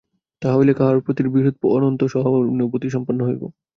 তাহা হইলেই কাহারও প্রতি বিরোধ পোষণ না করিয়া সকলের প্রতি আমরা অনন্ত সহানুভূতিসম্পন্ন হইব।